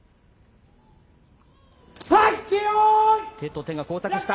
手と手が交錯した。